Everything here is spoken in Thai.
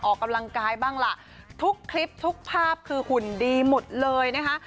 ออกกำลังกายบ้างล่ะทุกคลิปทุกภาพคือหุ่นดีหมดเลยนะคะ